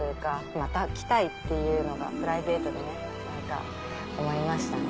また来たいっていうのがプライベートでね何か思いましたね。